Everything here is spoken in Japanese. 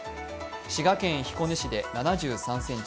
滋賀県彦根市で７３ｃｍ。